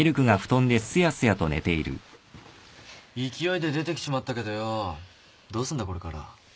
勢いで出てきちまったけどよどうすんだこれから。